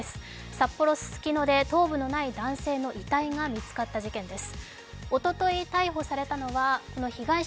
札幌・ススキノで頭部のない男性の遺体が見つかった事件です。